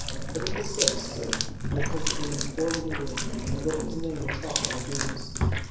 Frederick the Sixth stood in the peasant woman's poor little room and wrote his name with chalk on the beams.